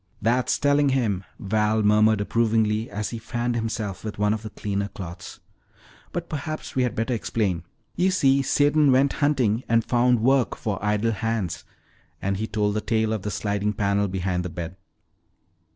"That's telling him," Val murmured approvingly as he fanned himself with one of the cleaner cloths. "But perhaps we had better explain. You see, Satan went hunting and found work for idle hands," and he told the tale of the sliding panel behind the bed.